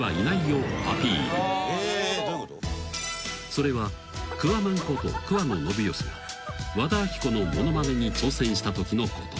［それはくわまんこと桑野信義が和田アキ子のものまねに挑戦したときのこと］